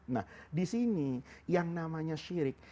nah disini yang namanya sirik